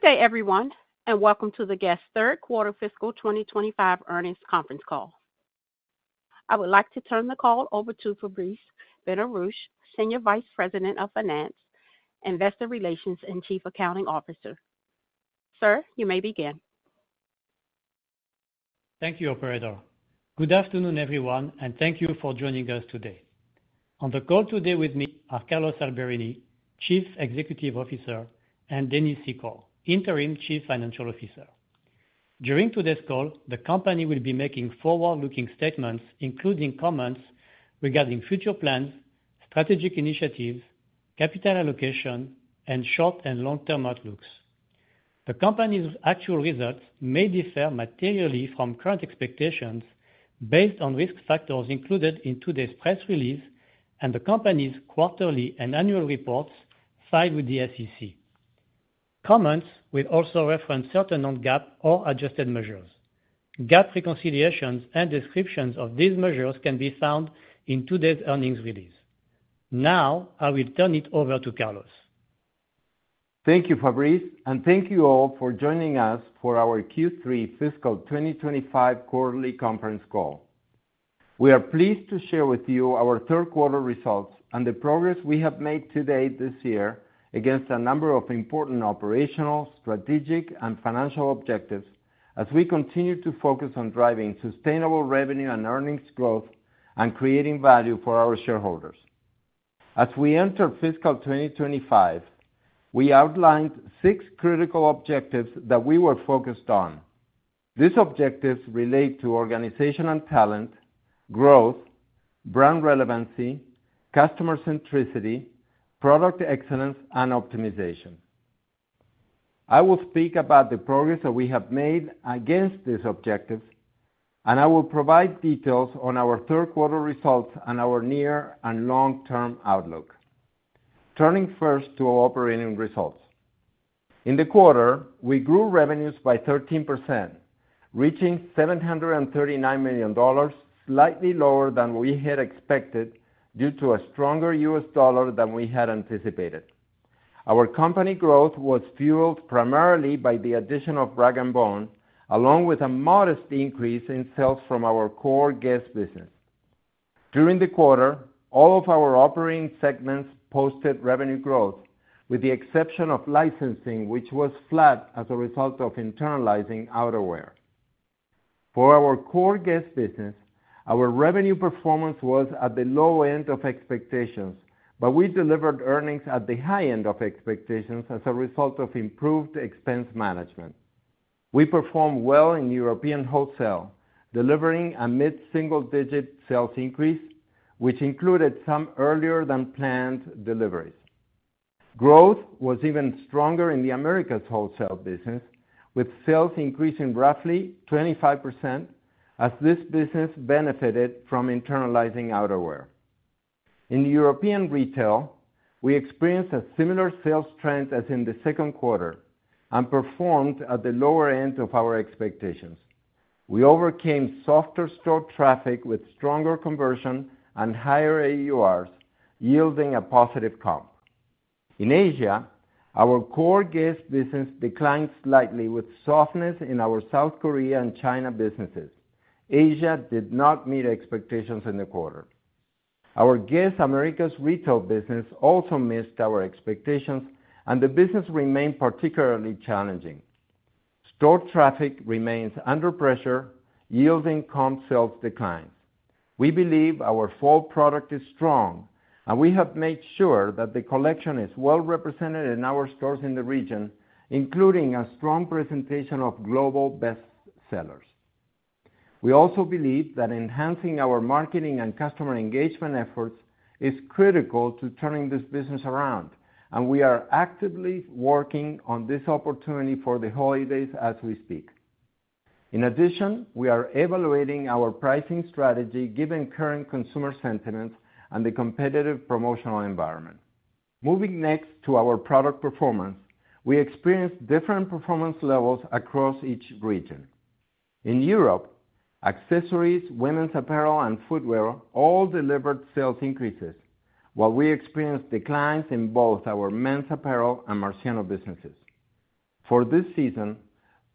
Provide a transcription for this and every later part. Good day, everyone, and welcome to the GUESS? Third Quarter Fiscal 2025 Earnings Conference Call. I would like to turn the call over to Fabrice Benarouche, Senior Vice President of Finance, Investor Relations, and Chief Accounting Officer. Sir, you may begin. Thank you, Alfredo. Good afternoon, everyone, and thank you for joining us today. On the call today with me are Carlos Alberini, Chief Executive Officer, and Dennis Secor, Interim Chief Financial Officer. During today's call, the company will be making forward-looking statements, including comments regarding future plans, strategic initiatives, capital allocation, and short and long-term outlooks. The company's actual results may differ materially from current expectations based on risk factors included in today's press release and the company's quarterly and annual reports filed with the SEC. Comments will also reference certain non-GAAP or adjusted measures. GAAP reconciliations and descriptions of these measures can be found in today's earnings release. Now, I will turn it over to Carlos. Thank you, Fabrice, and thank you all for joining us for our Q3 Fiscal 2025 Quarterly Conference Call. We are pleased to share with you our third-quarter results and the progress we have made to date this year against a number of important operational, strategic, and financial objectives as we continue to focus on driving sustainable revenue and earnings growth and creating value for our shareholders. As we enter Fiscal 2025, we outlined six critical objectives that we were focused on. These objectives relate to organizational talent, growth, brand relevancy, customer centricity, product excellence, and optimization. I will speak about the progress that we have made against these objectives, and I will provide details on our third quarter results and our near and long-term outlook. Turning first to our operating results. In the quarter, we grew revenues by 13%, reaching $739 million, slightly lower than we had expected due to a stronger U.S. dollar than we had anticipated. Our company growth was fueled primarily by the addition of rag & bone, along with a modest increase in sales from our core GUESS? business. During the quarter, all of our operating segments posted revenue growth, with the exception of licensing, which was flat as a result of internalizing outerwear. For our core GUESS? business, our revenue performance was at the low end of expectations, but we delivered earnings at the high end of expectations as a result of improved expense management. We performed well in European wholesale, delivering a mid-single-digit sales increase, which included some earlier-than-planned deliveries. Growth was even stronger in the Americas wholesale business, with sales increasing roughly 25% as this business benefited from internalizing outerwear. In European retail, we experienced a similar sales trend as in the second quarter and performed at the lower end of our expectations. We overcame softer store traffic with stronger conversion and higher AURs, yielding a positive comp. In Asia, our core GUESS? business declined slightly, with softness in our South Korea and China businesses. Asia did not meet expectations in the quarter. Our GUESS? Americas retail business also missed our expectations, and the business remained particularly challenging. Store traffic remains under pressure, yielding comp sales declines. We believe our full product is strong, and we have made sure that the collection is well represented in our stores in the region, including a strong presentation of global best sellers. We also believe that enhancing our marketing and customer engagement efforts is critical to turning this business around, and we are actively working on this opportunity for the holidays as we speak. In addition, we are evaluating our pricing strategy given current consumer sentiments and the competitive promotional environment. Moving next to our product performance, we experienced different performance levels across each region. In Europe, accessories, women's apparel, and footwear all delivered sales increases, while we experienced declines in both our men's apparel and Marciano businesses. For this season,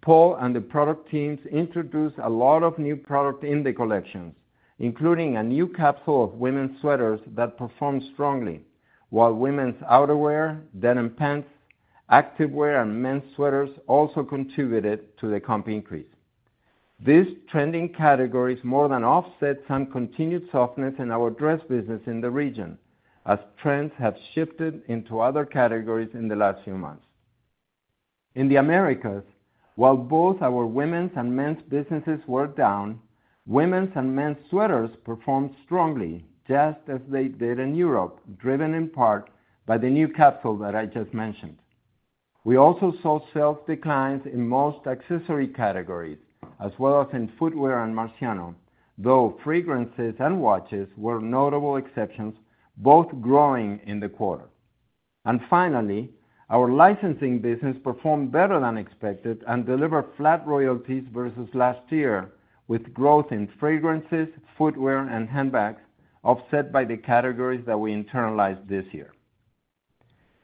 Paul and the product teams introduced a lot of new products in the collections, including a new capsule of women's sweaters that performed strongly, while women's outerwear, denim pants, activewear, and men's sweaters also contributed to the comp increase. These trending categories more than offset some continued softness in our dress business in the region, as trends have shifted into other categories in the last few months. In the Americas, while both our women's and men's businesses were down, women's and men's sweaters performed strongly, just as they did in Europe, driven in part by the new capsule that I just mentioned. We also saw sales declines in most accessory categories, as well as in footwear and Marciano, though fragrances and watches were notable exceptions, both growing in the quarter, and finally, our licensing business performed better than expected and delivered flat royalties versus last year, with growth in fragrances, footwear, and handbags, offset by the categories that we internalized this year.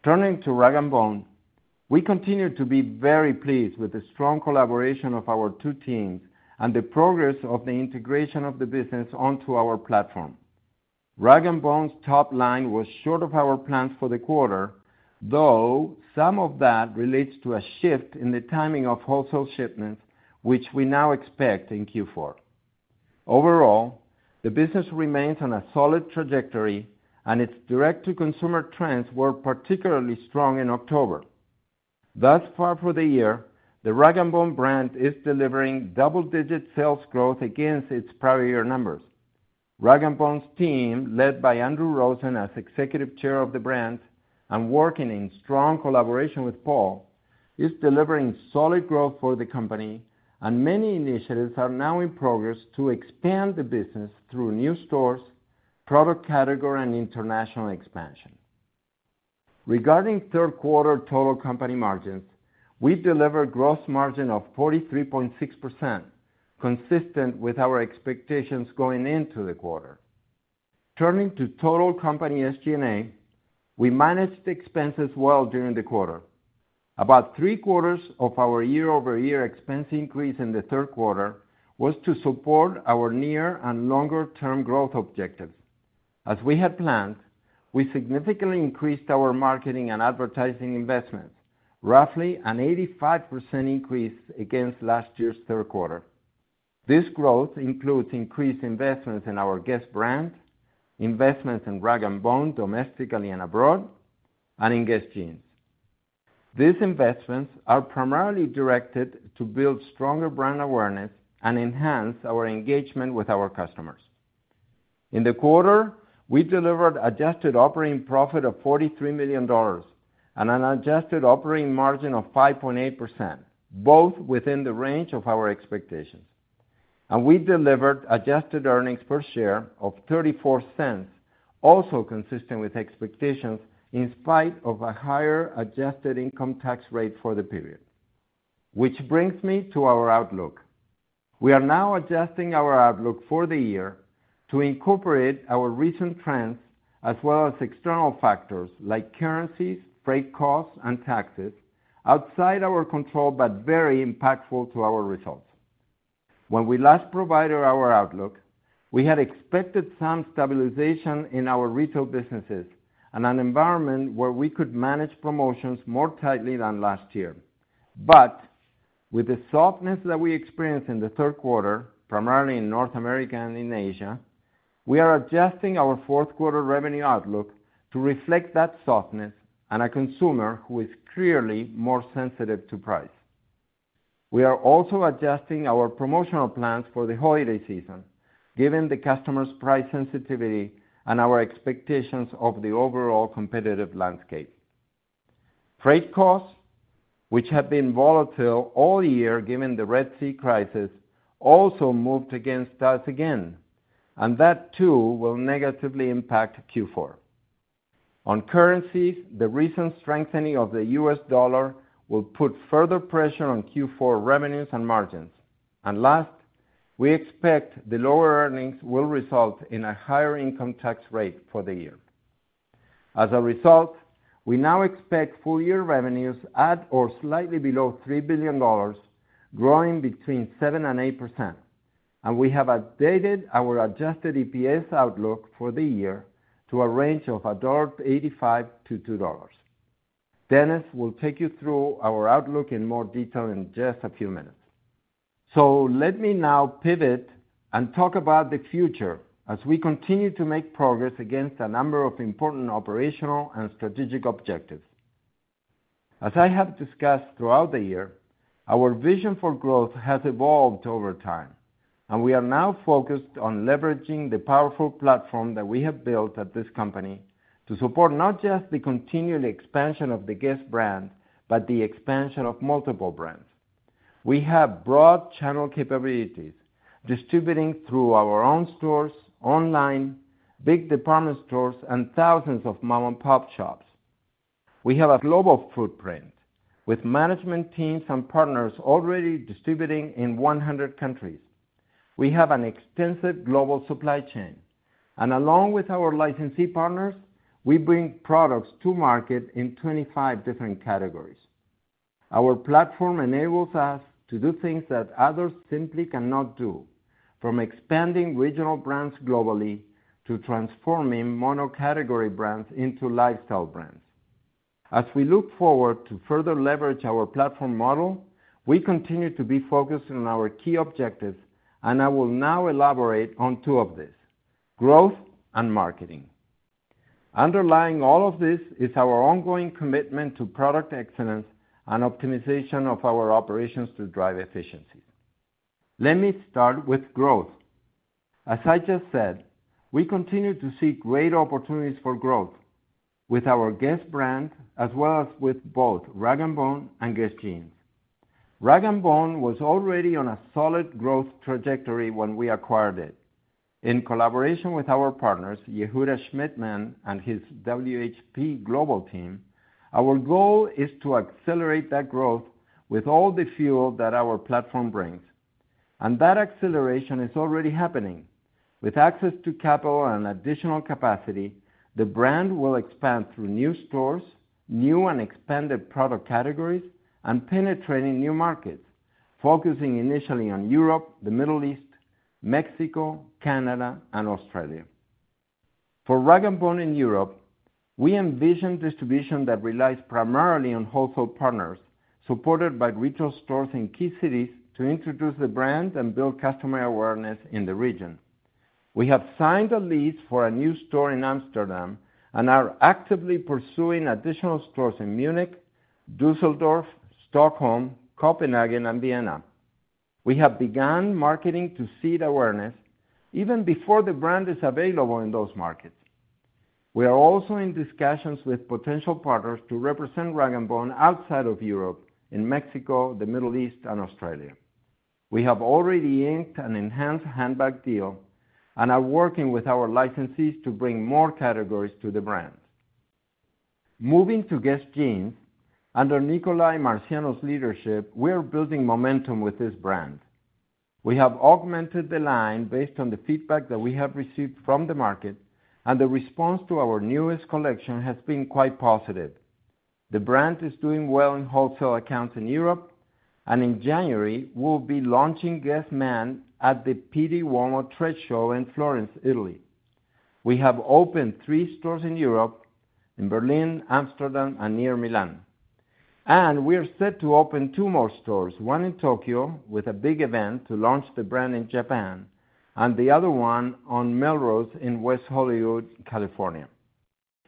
Turning to rag & bone, we continue to be very pleased with the strong collaboration of our two teams and the progress of the integration of the business onto our platform. Rag & bone's top line was short of our plans for the quarter, though some of that relates to a shift in the timing of wholesale shipments, which we now expect in Q4. Overall, the business remains on a solid trajectory, and its direct-to-consumer trends were particularly strong in October. Thus far for the year, the rag & bone brand is delivering double-digit sales growth against its prior year numbers. Rag & bone's team, led by Andrew Rosen as Executive Chair of the brand and working in strong collaboration with Paul, is delivering solid growth for the company, and many initiatives are now in progress to expand the business through new stores, product category, and international expansion. Regarding third-quarter total company margins, we delivered gross margin of 43.6%, consistent with our expectations going into the quarter. Turning to total company SG&A, we managed expenses well during the quarter. About three quarters of our year-over-year expense increase in the third quarter was to support our near and longer-term growth objectives. As we had planned, we significantly increased our marketing and advertising investments, roughly an 85% increase against last year's third quarter. This growth includes increased investments in our GUESS? brand, investments in rag & bone domestically and abroad, and GUESS Jeans. these investments are primarily directed to build stronger brand awareness and enhance our engagement with our customers. In the quarter, we delivered adjusted operating profit of $43 million and an adjusted operating margin of 5.8%, both within the range of our expectations. And we delivered adjusted earnings per share of $0.34, also consistent with expectations in spite of a higher adjusted income tax rate for the period. Which brings me to our outlook. We are now adjusting our outlook for the year to incorporate our recent trends as well as external factors like currencies, freight costs, and taxes outside our control but very impactful to our results. When we last provided our outlook, we had expected some stabilization in our retail businesses and an environment where we could manage promotions more tightly than last year. But with the softness that we experienced in the third quarter, primarily in North America and in Asia, we are adjusting our fourth-quarter revenue outlook to reflect that softness and a consumer who is clearly more sensitive to price. We are also adjusting our promotional plans for the holiday season, given the customer's price sensitivity and our expectations of the overall competitive landscape. Freight costs, which have been volatile all year given the Red Sea crisis, also moved against us again, and that too will negatively impact Q4. On currencies, the recent strengthening of the U.S. dollar will put further pressure on Q4 revenues and margins. Last, we expect the lower earnings will result in a higher income tax rate for the year. As a result, we now expect full-year revenues at or slightly below $3 billion, growing between 7% and 8%, and we have updated our adjusted EPS outlook for the year to a range of $1.85-$2. Dennis will take you through our outlook in more detail in just a few minutes. So let me now pivot and talk about the future as we continue to make progress against a number of important operational and strategic objectives. As I have discussed throughout the year, our vision for growth has evolved over time, and we are now focused on leveraging the powerful platform that we have built at this company to support not just the continued expansion of the GUESS? brand, but the expansion of multiple brands. We have broad channel capabilities distributing through our own stores, online, big department stores, and thousands of mom-and-pop shops. We have a global footprint with management teams and partners already distributing in 100 countries. We have an extensive global supply chain, and along with our licensee partners, we bring products to market in 25 different categories. Our platform enables us to do things that others simply cannot do, from expanding regional brands globally to transforming monocategory brands into lifestyle brands. As we look forward to further leverage our platform model, we continue to be focused on our key objectives, and I will now elaborate on two of these: growth and marketing. Underlying all of this is our ongoing commitment to product excellence and optimization of our operations to drive efficiencies. Let me start with growth. As I just said, we continue to see great opportunities for growth with our GUESS? brand, as well as with both rag & bone and GUESS Jeans. Rag & bone was already on a solid growth trajectory when we acquired it. In collaboration with our partners, Yehuda Shmidman and his WHP Global team, our goal is to accelerate that growth with all the fuel that our platform brings. That acceleration is already happening. With access to capital and additional capacity, the brand will expand through new stores, new and expanded product categories, and penetrating new markets, focusing initially on Europe, the Middle East, Mexico, Canada, and Australia. For rag & bone in Europe, we envision distribution that relies primarily on wholesale partners supported by retail stores in key cities to introduce the brand and build customer awareness in the region. We have signed a lease for a new store in Amsterdam and are actively pursuing additional stores in Munich, Düsseldorf, Stockholm, Copenhagen, and Vienna. We have begun marketing to seed awareness even before the brand is available in those markets. We are also in discussions with potential partners to represent rag & bone outside of Europe in Mexico, the Middle East, and Australia. We have already inked an enhanced handbag deal and are working with our licensees to bring more categories to the brand. Moving to GUESS Jeans, under Nicolai Marciano's leadership, we are building momentum with this brand. We have augmented the line based on the feedback that we have received from the market, and the response to our newest collection has been quite positive. The brand is doing well in wholesale accounts in Europe, and in January, we'll be launching GUESS Jeans at the Pitti Uomo trade show in Florence, Italy. We have opened three stores in Europe: in Berlin, Amsterdam, and near Milan. We are set to open two more stores, one in Tokyo with a big event to launch the brand in Japan, and the other one on Melrose in West Hollywood, California.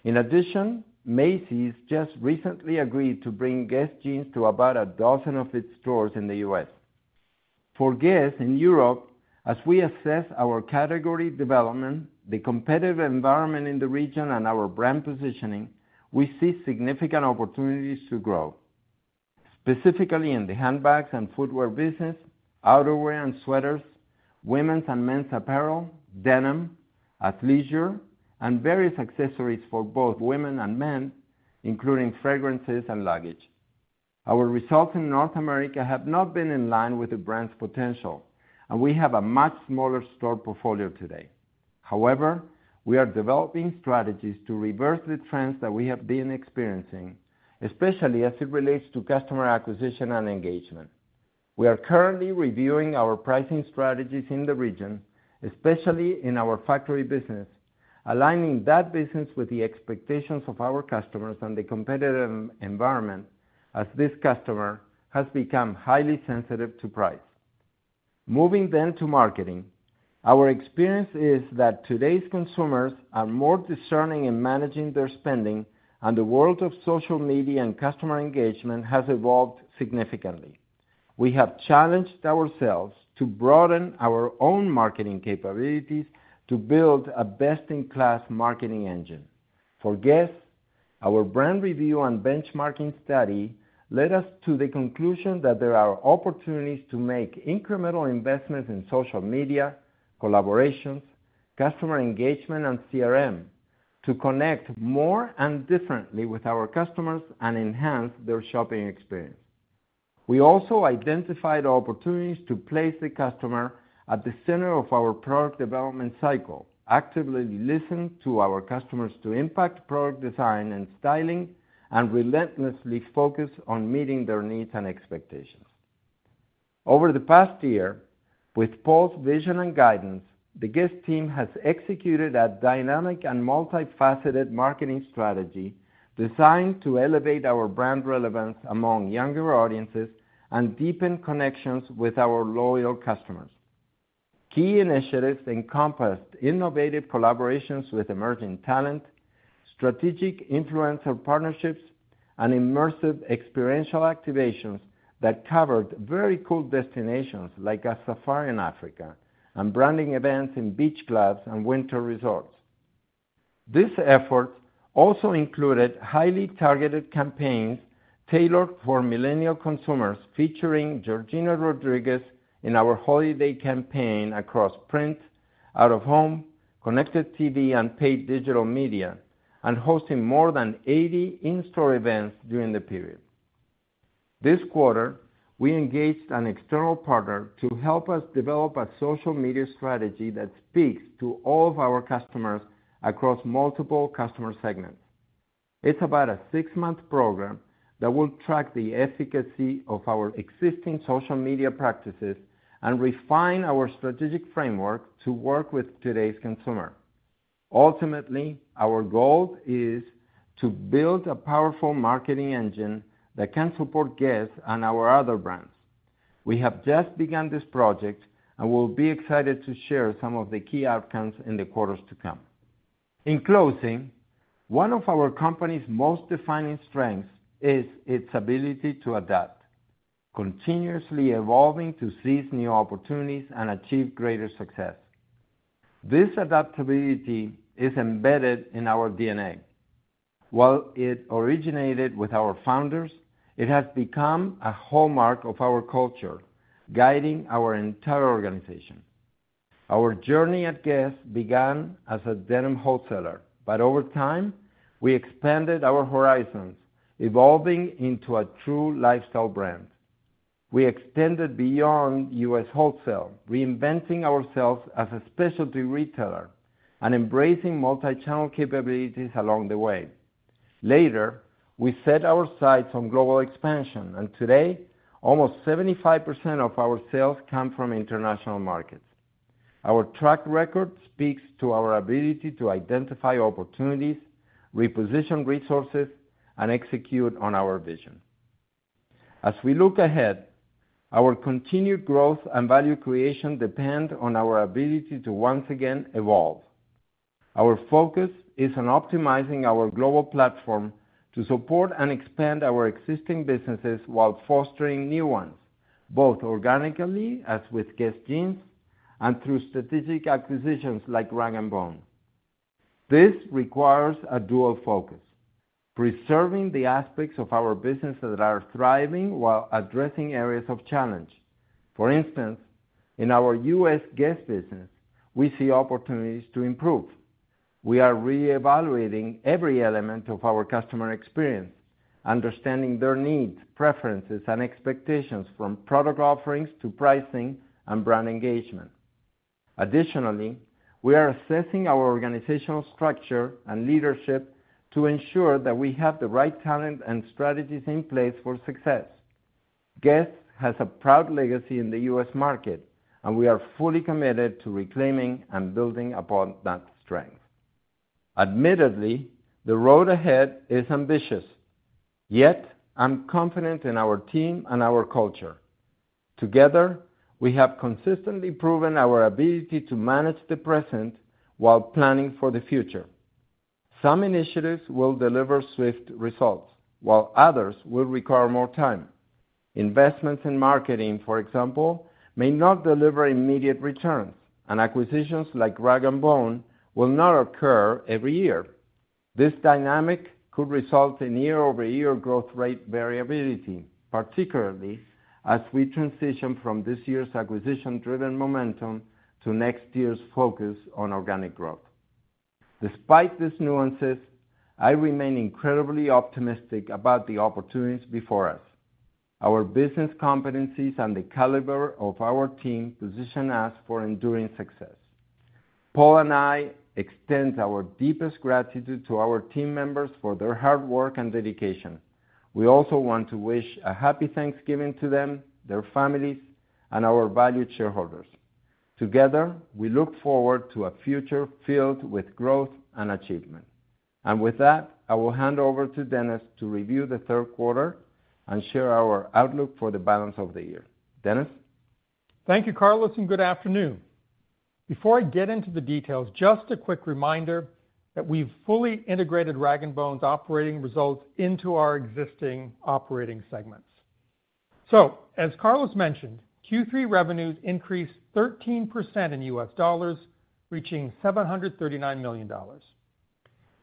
In addition, Macy's just recently agreed to bring GUESS Jeans to about a dozen of its stores in the U.S. For GUESS? in Europe, as we assess our category development, the competitive environment in the region, and our brand positioning, we see significant opportunities to grow, specifically in the handbags and footwear business, outerwear and sweaters, women's and men's apparel, denim, athleisure, and various accessories for both women and men, including fragrances and luggage. Our results in North America have not been in line with the brand's potential, and we have a much smaller store portfolio today. However, we are developing strategies to reverse the trends that we have been experiencing, especially as it relates to customer acquisition and engagement. We are currently reviewing our pricing strategies in the region, especially in our factory business, aligning that business with the expectations of our customers and the competitive environment, as this customer has become highly sensitive to price. Moving then to marketing, our experience is that today's consumers are more discerning in managing their spending, and the world of social media and customer engagement has evolved significantly. We have challenged ourselves to broaden our own marketing capabilities to build a best-in-class marketing engine. For GUESS?, our brand review and benchmarking study led us to the conclusion that there are opportunities to make incremental investments in social media, collaborations, customer engagement, and CRM to connect more and differently with our customers and enhance their shopping experience. We also identified opportunities to place the customer at the center of our product development cycle, actively listen to our customers to impact product design and styling, and relentlessly focus on meeting their needs and expectations. Over the past year, with Paul's vision and guidance, the GUESS team has executed a dynamic and multifaceted marketing strategy designed to elevate our brand relevance among younger audiences and deepen connections with our loyal customers. Key initiatives encompassed innovative collaborations with emerging talent, strategic influencer partnerships, and immersive experiential activations that covered very cool destinations like a safari in Africa and branding events in beach clubs and winter resorts. These efforts also included highly targeted campaigns tailored for millennial consumers, featuring Georgina Rodríguez in our holiday campaign across print, out-of-home, connected TV, and paid digital media, and hosting more than 80 in-store events during the period. This quarter, we engaged an external partner to help us develop a social media strategy that speaks to all of our customers across multiple customer segments. It's about a six-month program that will track the efficacy of our existing social media practices and refine our strategic framework to work with today's consumer. Ultimately, our goal is to build a powerful marketing engine that can support GUESS? and our other brands. We have just begun this project and will be excited to share some of the key outcomes in the quarters to come. In closing, one of our company's most defining strengths is its ability to adapt, continuously evolving to seize new opportunities and achieve greater success. This adaptability is embedded in our DNA. While it originated with our founders, it has become a hallmark of our culture, guiding our entire organization. Our journey at GUESS? Began as a denim wholesaler, but over time, we expanded our horizons, evolving into a true lifestyle brand. We extended beyond U.S. wholesale, reinventing ourselves as a specialty retailer and embracing multichannel capabilities along the way. Later, we set our sights on global expansion, and today, almost 75% of our sales come from international markets. Our track record speaks to our ability to identify opportunities, reposition resources, and execute on our vision. As we look ahead, our continued growth and value creation depend on our ability to once again evolve. Our focus is on optimizing our global platform to support and expand our existing businesses while fostering new ones, both organically as GUESS Jeans and through strategic acquisitions like rag & bone. This requires a dual focus: preserving the aspects of our business that are thriving while addressing areas of challenge. For instance, in our U.S. GUESS? business, we see opportunities to improve. We are reevaluating every element of our customer experience, understanding their needs, preferences, and expectations from product offerings to pricing and brand engagement. Additionally, we are assessing our organizational structure and leadership to ensure that we have the right talent and strategies in place for success. GUESS? has a proud legacy in the U.S. market, and we are fully committed to reclaiming and building upon that strength. Admittedly, the road ahead is ambitious, yet I'm confident in our team and our culture. Together, we have consistently proven our ability to manage the present while planning for the future. Some initiatives will deliver swift results, while others will require more time. Investments in marketing, for example, may not deliver immediate returns, and acquisitions like rag & bone will not occur every year. This dynamic could result in year-over-year growth rate variability, particularly as we transition from this year's acquisition-driven momentum to next year's focus on organic growth. Despite these nuances, I remain incredibly optimistic about the opportunities before us. Our business competencies and the caliber of our team position us for enduring success. Paul and I extend our deepest gratitude to our team members for their hard work and dedication. We also want to wish a happy Thanksgiving to them, their families, and our valued shareholders. Together, we look forward to a future filled with growth and achievement. And with that, I will hand over to Dennis to review the third quarter and share our outlook for the balance of the year. Dennis? Thank you, Carlos, and good afternoon. Before I get into the details, just a quick reminder that we've fully integrated rag & bone's operating results into our existing operating segments. So, as Carlos mentioned, Q3 revenues increased 13% in U.S. dollars, reaching $739 million.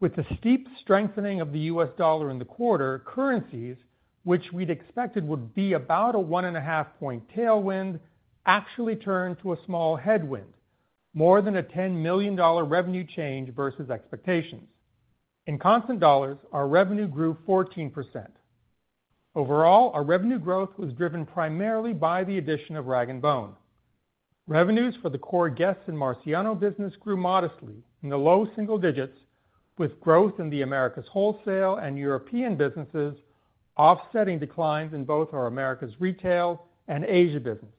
With the steep strengthening of the U.S. dollar in the quarter, currencies, which we'd expected would be about a 1.5-point tailwind, actually turned to a small headwind, more than a $10 million revenue change versus expectations. In constant dollars, our revenue grew 14%. Overall, our revenue growth was driven primarily by the addition of rag & bone. Revenues for the core GUESS? and Marciano business grew modestly in the low single digits, with growth in the Americas wholesale and European businesses offsetting declines in both our Americas retail and Asia businesses.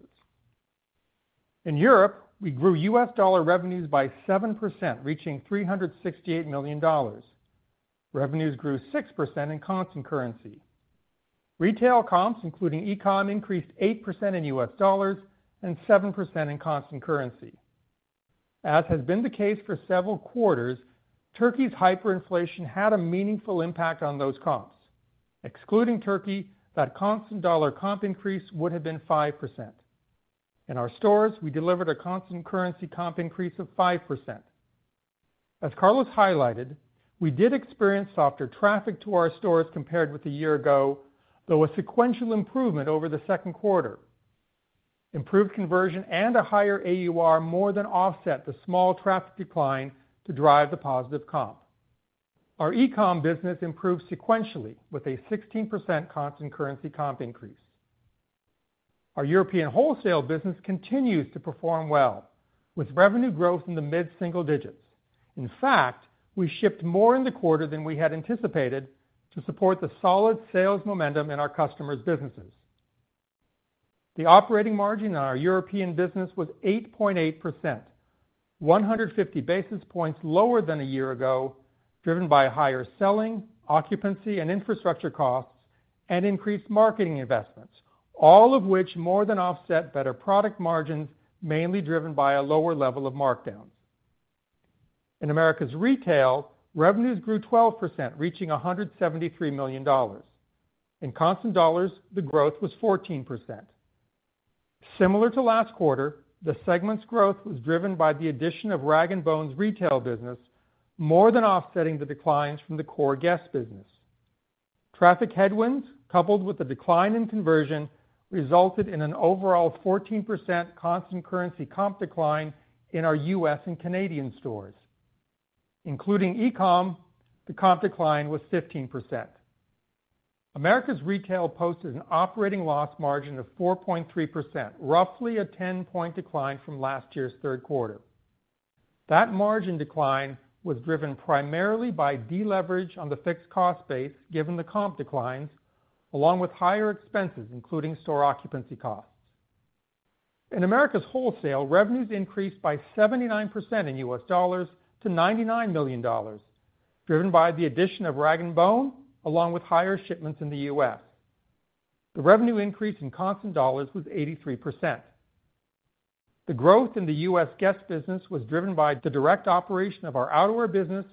In Europe, we grew U.S. dollar revenues by 7%, reaching $368 million. Revenues grew 6% in constant currency. Retail comps, including e-comm, increased 8% in U.S. dollars and 7% in constant currency. As has been the case for several quarters, Turkey's hyperinflation had a meaningful impact on those comps. Excluding Turkey, that constant dollar comp increase would have been 5%. In our stores, we delivered a constant currency comp increase of 5%. As Carlos highlighted, we did experience softer traffic to our stores compared with a year-ago, though a sequential improvement over the second quarter. Improved conversion and a higher AUR more than offset the small traffic decline to drive the positive comp. Our e-comm business improved sequentially with a 16% constant currency comp increase. Our European wholesale business continues to perform well, with revenue growth in the mid-single digits. In fact, we shipped more in the quarter than we had anticipated to support the solid sales momentum in our customers' businesses. The operating margin in our European business was 8.8%, 150 basis points lower than a year-ago, driven by higher selling, occupancy, and infrastructure costs, and increased marketing investments, all of which more than offset better product margins, mainly driven by a lower level of markdowns. In Americas retail, revenues grew 12%, reaching $173 million. In constant dollars, the growth was 14%. Similar to last quarter, the segment's growth was driven by the addition of rag & bone's retail business, more than offsetting the declines from the core GUESS? business. Traffic headwinds, coupled with the decline in conversion, resulted in an overall 14% constant currency comp decline in our U.S. and Canadian stores. Including e-comm, the comp decline was 15%. Americas retail posted an operating loss margin of 4.3%, roughly a 10-point decline from last year's third quarter. That margin decline was driven primarily by deleverage on the fixed cost base, given the comp declines, along with higher expenses, including store occupancy costs. In Americas wholesale, revenues increased by 79% in U.S. dollars to $99 million, driven by the addition of rag & bone, along with higher shipments in the U.S. The revenue increase in constant dollars was 83%. The growth in the U.S. GUESS? business was driven by the direct operation of our outerwear business,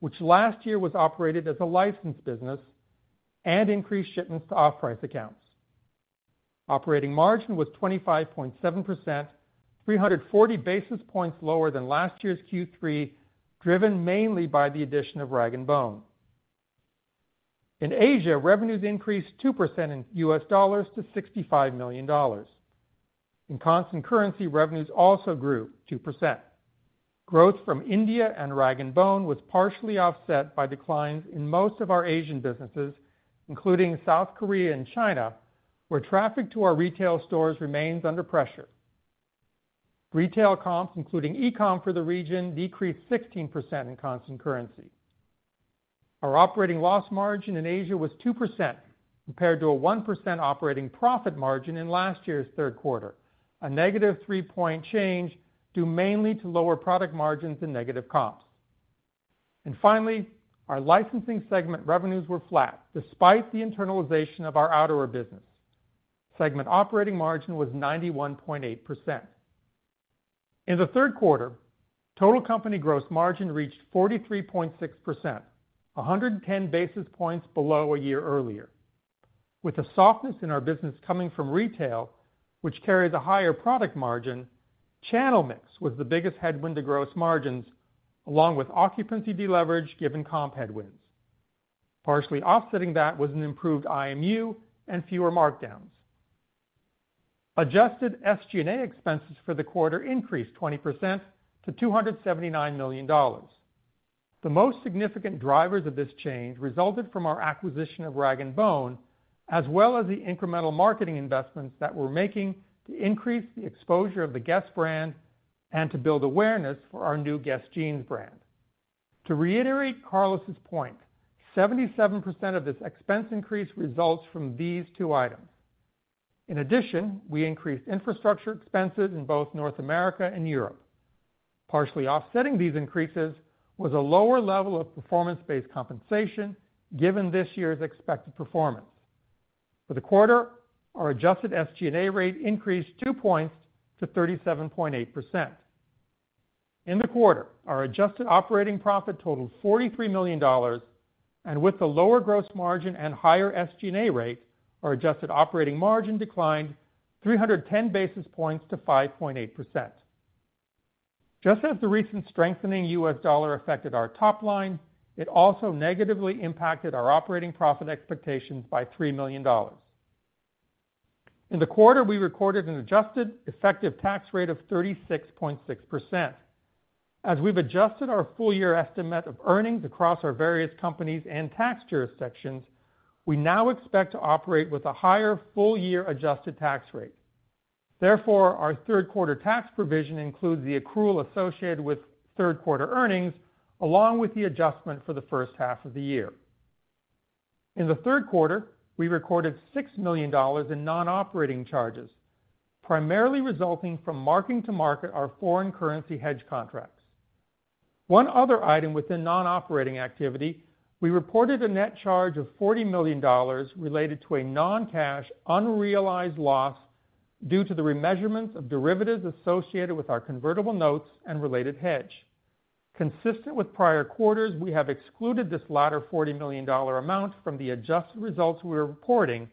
which last year was operated as a licensed business, and increased shipments to off-price accounts. Operating margin was 25.7%, 340 basis points lower than last year's Q3, driven mainly by the addition of rag & bone. In Asia, revenues increased 2% in U.S. dollars to $65 million. In constant currency, revenues also grew 2%. Growth from India and rag & bone was partially offset by declines in most of our Asian businesses, including South Korea and China, where traffic to our retail stores remains under pressure. Retail comps, including e-comm for the region, decreased 16% in constant currency. Our operating loss margin in Asia was 2%, compared to a 1% operating profit margin in last year's third quarter, a negative 3-point change due mainly to lower product margins and negative comps. And finally, our licensing segment revenues were flat, despite the internalization of our outerwear business. Segment operating margin was 91.8%. In the third quarter, total company gross margin reached 43.6%, 110 basis points below a year-earlier. With the softness in our business coming from retail, which carries a higher product margin, channel mix was the biggest headwind to gross margins, along with occupancy deleverage given comp headwinds. Partially offsetting that was an improved IMU and fewer markdowns. Adjusted SG&A expenses for the quarter increased 20% to $279 million. The most significant drivers of this change resulted from our acquisition of rag & bone, as well as the incremental marketing investments that we're making to increase the exposure of the GUESS? brand and to build awareness for our GUESS Jeans brand. To reiterate Carlos's point, 77% of this expense increase results from these two items. In addition, we increased infrastructure expenses in both North America and Europe. Partially offsetting these increases was a lower level of performance-based compensation, given this year's expected performance. For the quarter, our adjusted SG&A rate increased 2 points to 37.8%. In the quarter, our adjusted operating profit totaled $43 million, and with the lower gross margin and higher SG&A rate, our adjusted operating margin declined 310 basis points to 5.8%. Just as the recent strengthening U.S. dollar affected our top line, it also negatively impacted our operating profit expectations by $3 million. In the quarter, we recorded an adjusted effective tax rate of 36.6%. As we've adjusted our full-year estimate of earnings across our various companies and tax jurisdictions, we now expect to operate with a higher full-year adjusted tax rate. Therefore, our third quarter tax provision includes the accrual associated with third quarter earnings, along with the adjustment for the first half of the year. In the third quarter, we recorded $6 million in non-operating charges, primarily resulting from marking to market our foreign currency hedge contracts. One other item within non-operating activity. We reported a net charge of $40 million related to a non-cash unrealized loss due to the remeasurements of derivatives associated with our convertible notes and related hedge. Consistent with prior quarters, we have excluded this latter $40 million amount from the adjusted results we're reporting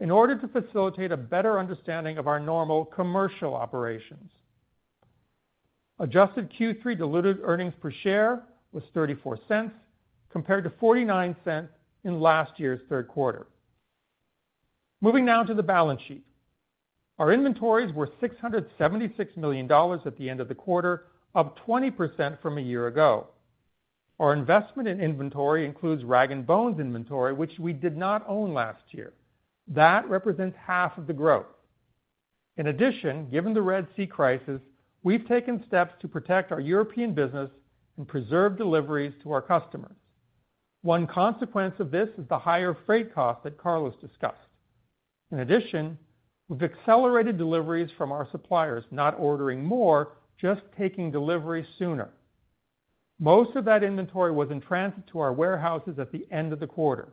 in order to facilitate a better understanding of our normal commercial operations. Adjusted Q3 diluted earnings per share was $0.34, compared to $0.49 in last year's third quarter. Moving now to the balance sheet. Our inventories were $676 million at the end of the quarter, up 20% from a year-ago. Our investment in inventory includes rag & bone's inventory, which we did not own last year. That represents half of the growth. In addition, given the Red Sea crisis, we've taken steps to protect our European business and preserve deliveries to our customers. One consequence of this is the higher freight costs that Carlos discussed. In addition, we've accelerated deliveries from our suppliers, not ordering more, just taking deliveries sooner. Most of that inventory was in transit to our warehouses at the end of the quarter.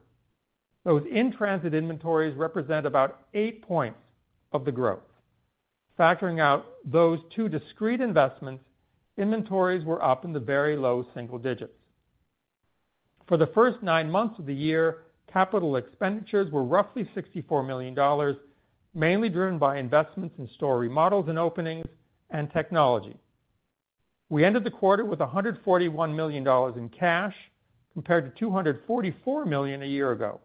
Those in transit inventories represent about 8 points of the growth. Factoring out those two discrete investments, inventories were up in the very low single digits. For the first nine months of the year, capital expenditures were roughly $64 million, mainly driven by investments in store remodels and openings and technology. We ended the quarter with $141 million in cash, compared to $244 million a year-ago.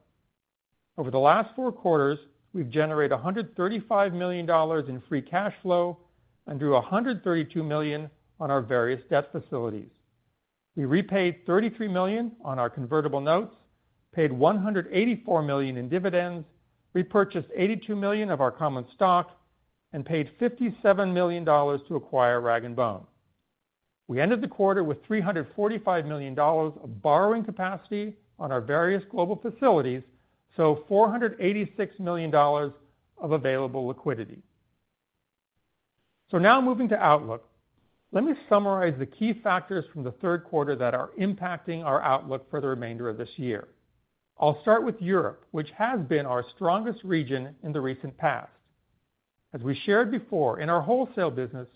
Over the last four quarters, we've generated $135 million in free cash flow and drew $132 million on our various debt facilities. We repaid $33 million on our convertible notes, paid $184 million in dividends, repurchased $82 million of our common stock, and paid $57 million to acquire rag & bone. We ended the quarter with $345 million of borrowing capacity on our various global facilities, so $486 million of available liquidity, so now moving to outlook, let me summarize the key factors from the third quarter that are impacting our outlook for the remainder of this year. I'll start with Europe, which has been our strongest region in the recent past. As we shared before, in our wholesale business,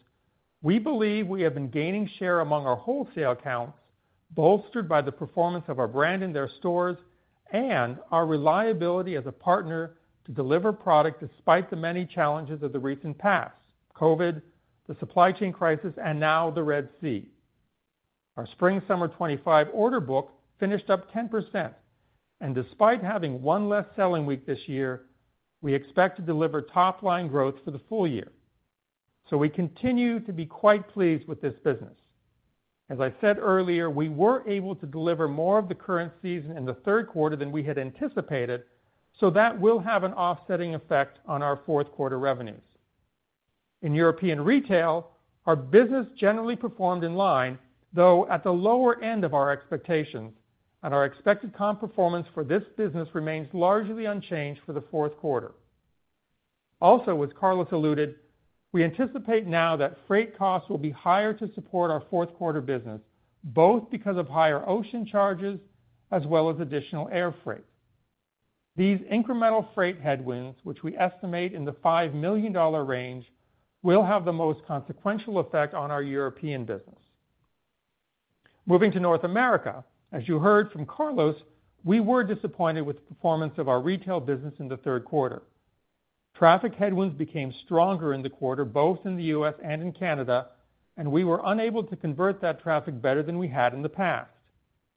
we believe we have been gaining share among our wholesale accounts, bolstered by the performance of our brand in their stores and our reliability as a partner to deliver product despite the many challenges of the recent past: COVID, the supply chain crisis, and now the Red Sea. Our spring/summer 2025 order book finished up 10%, and despite having one less selling week this year, we expect to deliver top-line growth for the full year. So we continue to be quite pleased with this business. As I said earlier, we were able to deliver more of the current season in the third quarter than we had anticipated, so that will have an offsetting effect on our fourth quarter revenues. In European retail, our business generally performed in line, though at the lower end of our expectations, and our expected comp performance for this business remains largely unchanged for the fourth quarter. Also, as Carlos alluded, we anticipate now that freight costs will be higher to support our fourth quarter business, both because of higher ocean charges as well as additional air freight. These incremental freight headwinds, which we estimate in the $5 million range, will have the most consequential effect on our European business. Moving to North America, as you heard from Carlos, we were disappointed with the performance of our retail business in the third quarter. Traffic headwinds became stronger in the quarter, both in the U.S. and in Canada, and we were unable to convert that traffic better than we had in the past.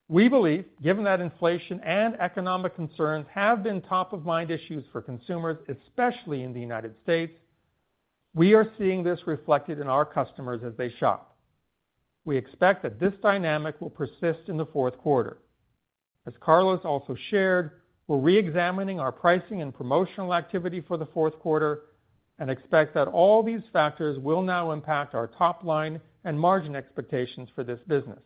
We believe, given that inflation and economic concerns have been top-of-mind issues for consumers, especially in the United States, we are seeing this reflected in our customers as they shop. We expect that this dynamic will persist in the fourth quarter. As Carlos also shared, we're re-examining our pricing and promotional activity for the fourth quarter and expect that all these factors will now impact our top line and margin expectations for this business.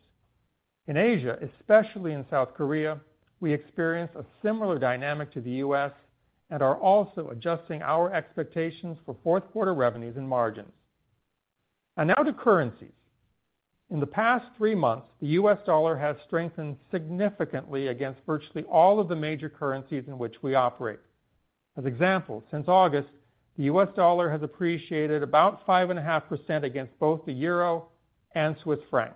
In Asia, especially in South Korea, we experience a similar dynamic to the U.S. We are also adjusting our expectations for fourth quarter revenues and margins. Now to currencies. In the past three months, the U.S. dollar has strengthened significantly against virtually all of the major currencies in which we operate. As example, since August, the U.S. dollar has appreciated about 5.5% against both the euro and Swiss Franc.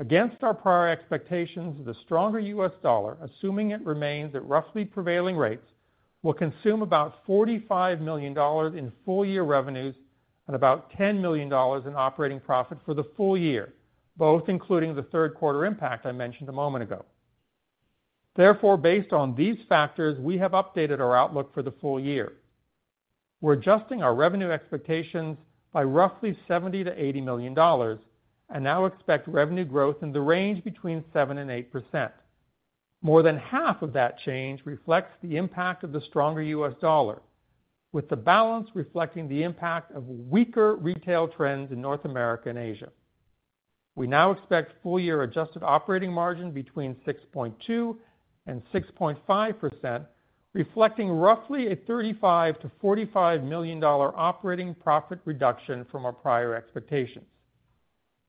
Against our prior expectations, the stronger U.S. dollar, assuming it remains at roughly prevailing rates, will consume about $45 million in full-year revenues and about $10 million in operating profit for the full year, both including the third quarter impact I mentioned a moment ago. Therefore, based on these factors, we have updated our outlook for the full year. We are adjusting our revenue expectations by roughly $70 million-$80 million and now expect revenue growth in the range between 7% and 8%. More than half of that change reflects the impact of the stronger U.S. dollar, with the balance reflecting the impact of weaker retail trends in North America and Asia. We now expect full-year adjusted operating margin between 6.2%-6.5%, reflecting roughly a $35 million-$45 million operating profit reduction from our prior expectations.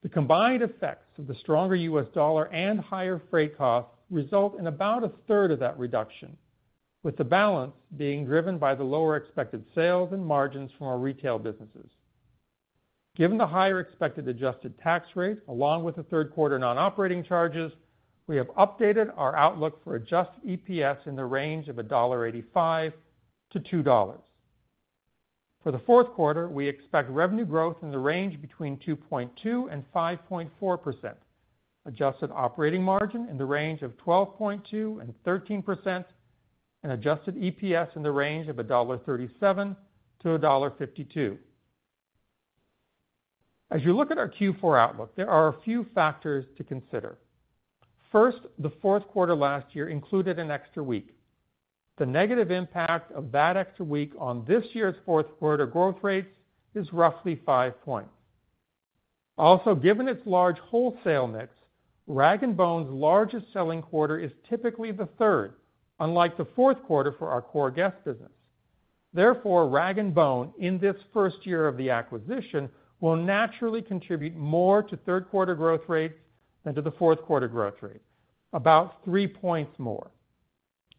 The combined effects of the stronger U.S. dollar and higher freight costs result in about a third of that reduction, with the balance being driven by the lower expected sales and margins from our retail businesses. Given the higher expected adjusted tax rate, along with the third quarter non-operating charges, we have updated our outlook for adjusted EPS in the range of $1.85-$2. For the fourth quarter, we expect revenue growth in the range between 2.2% and 5.4%, adjusted operating margin in the range of 12.2% and 13%, and adjusted EPS in the range of $1.37-$1.52. As you look at our Q4 outlook, there are a few factors to consider. First, the fourth quarter last year included an extra week. The negative impact of that extra week on this year's fourth quarter growth rates is roughly 5 points. Also, given its large wholesale mix, rag & bone's largest selling quarter is typically the third, unlike the fourth quarter for our core GUESS? business. Therefore, rag & bone in this first year of the acquisition will naturally contribute more to third quarter growth rates than to the fourth quarter growth rate, about 3 points more.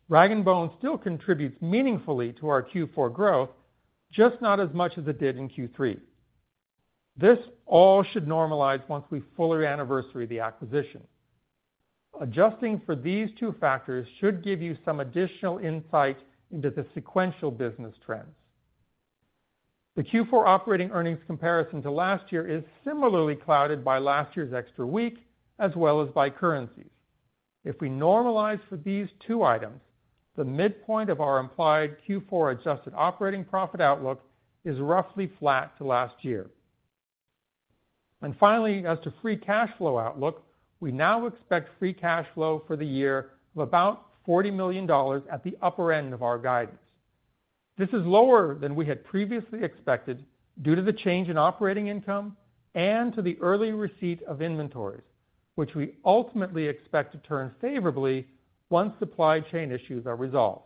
Rag & bone still contributes meaningfully to our Q4 growth, just not as much as it did in Q3. This all should normalize once we fully anniversary the acquisition. Adjusting for these two factors should give you some additional insight into the sequential business trends. The Q4 operating earnings comparison to last year is similarly clouded by last year's extra week, as well as by currencies. If we normalize for these two items, the midpoint of our implied Q4 adjusted operating profit outlook is roughly flat to last year. And finally, as to free cash flow outlook, we now expect free cash flow for the year of about $40 million at the upper end of our guidance. This is lower than we had previously expected due to the change in operating income and to the early receipt of inventories, which we ultimately expect to turn favorably once supply chain issues are resolved.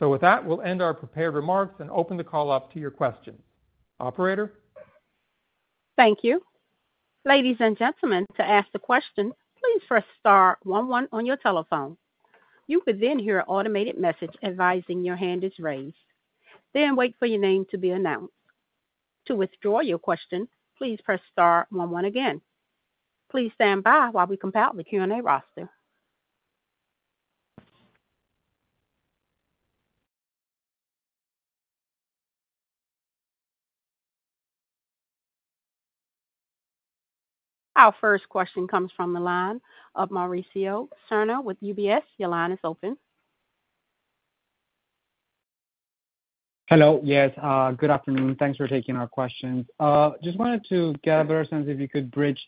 So with that, we'll end our prepared remarks and open the call up to your questions. Operator? Thank you. Ladies and gentlemen, to ask a question, please press star one one on your telephone. You will then hear an automated message advising your hand is raised. Then wait for your name to be announced. To withdraw your question, please press star one one again. Please stand by while we compile the Q&A roster. Our first question comes from the line of Mauricio Serna with UBS. Your line is open. Hello. Yes. Good afternoon. Thanks for taking our questions. Just wanted to get a better sense if you could bridge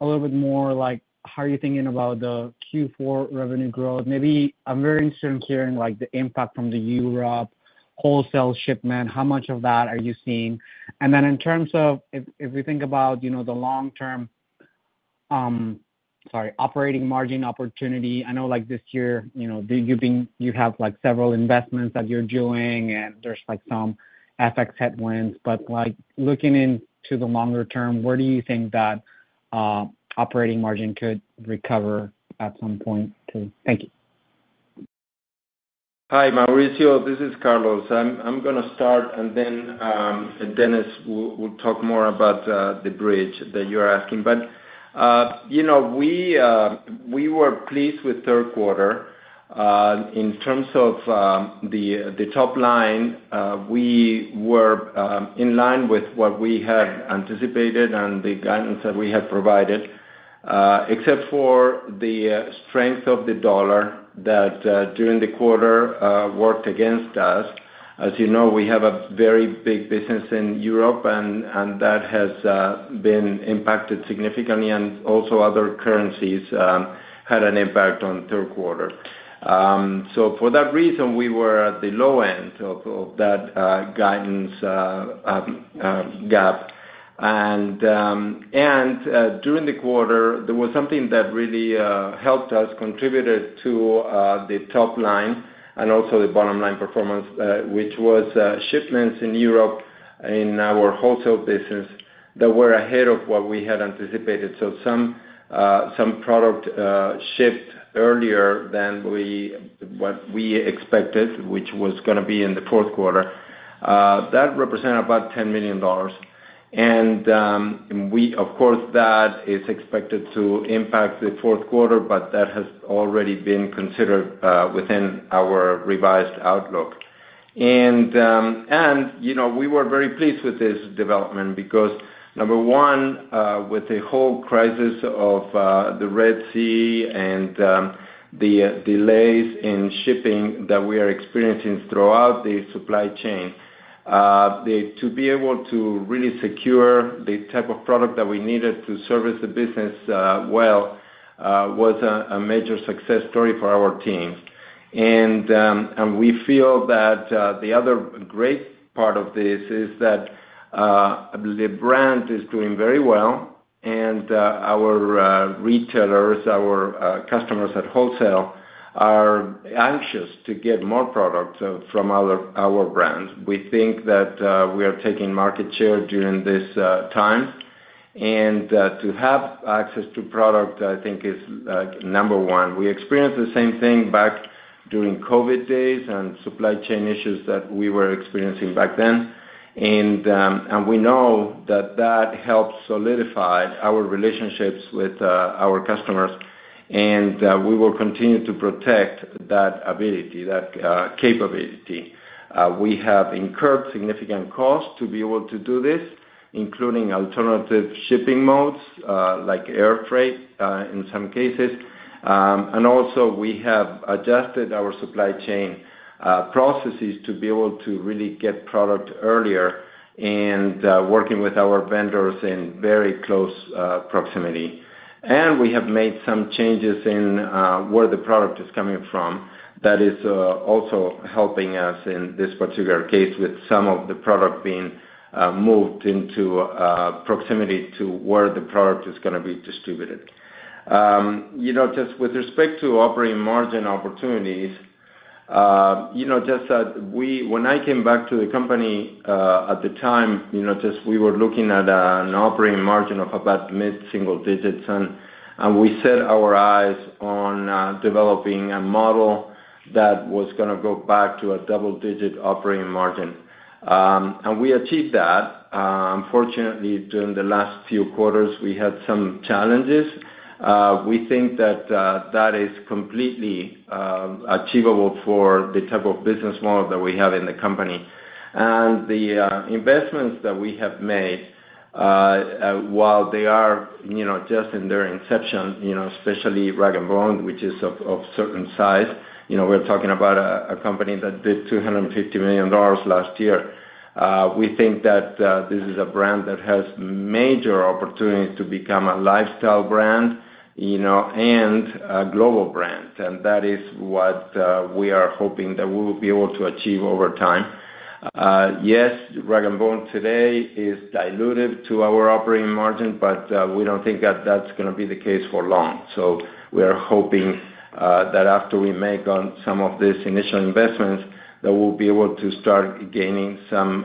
a little bit more like how are you thinking about the Q4 revenue growth. Maybe I'm very interested in hearing like the impact from Europe, wholesale shipment, how much of that are you seeing? And then in terms of if we think about the long-term, sorry, operating margin opportunity, I know like this year, you have like several investments that you're doing and there's like some FX headwinds, but like looking into the longer-term, where do you think that operating margin could recover at some point too? Thank you. Hi, Mauricio. This is Carlos. I'm going to start and then Dennis will talk more about the bridge that you're asking. But we were pleased with third quarter. In terms of the top line, we were in line with what we had anticipated and the guidance that we had provided, except for the strength of the dollar that during the quarter worked against us. As you know, we have a very big business in Europe, and that has been impacted significantly, and also other currencies had an impact on third quarter. So for that reason, we were at the low end of that guidance gap, and during the quarter, there was something that really helped us, contributed to the top line and also the bottom line performance, which was shipments in Europe in our wholesale business that were ahead of what we had anticipated, so some product shipped earlier than what we expected, which was going to be in the fourth quarter. That represented about $10 million. And we, of course, that is expected to impact the fourth quarter, but that has already been considered within our revised outlook. And we were very pleased with this development because, number one, with the whole crisis of the Red Sea and the delays in shipping that we are experiencing throughout the supply chain, to be able to really secure the type of product that we needed to service the business well was a major success story for our team. And we feel that the other great part of this is that the brand is doing very well and our retailers, our customers at wholesale are anxious to get more product from our brands. We think that we are taking market share during this time. And to have access to product, I think, is number one. We experienced the same thing back during COVID days and supply chain issues that we were experiencing back then. And we know that that helps solidify our relationships with our customers. And we will continue to protect that ability, that capability. We have incurred significant costs to be able to do this, including alternative shipping modes like air freight in some cases. And also, we have adjusted our supply chain processes to be able to really get product earlier and working with our vendors in very close proximity. And we have made some changes in where the product is coming from. That is also helping us in this particular case with some of the product being moved into proximity to where the product is going to be distributed. Just with respect to operating margin opportunities, just when I came back to the company at the time, just we were looking at an operating margin of about mid-single digits. And we set our eyes on developing a model that was going to go back to a double-digit operating margin. And we achieved that. Unfortunately, during the last few quarters, we had some challenges. We think that that is completely achievable for the type of business model that we have in the company. And the investments that we have made, while they are just in their inception, especially rag & bone, which is of certain size, we're talking about a company that did $250 million last year. We think that this is a brand that has major opportunities to become a lifestyle brand and a global brand. And that is what we are hoping that we will be able to achieve over time. Yes, rag & bone today is dilutive to our operating margin, but we don't think that that's going to be the case for long. So we are hoping that after we make some of these initial investments, that we'll be able to start gaining some